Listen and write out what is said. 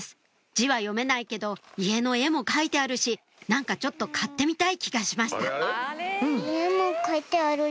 字は読めないけど家の絵も描いてあるし何かちょっと買ってみたい気がしました